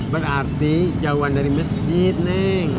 berarti jauhan dari masjid nih